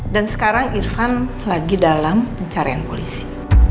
dan sekarang irvan lagi dalam pencarian polisi